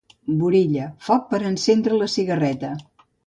Burilla, foc per a encendre la cigarreta.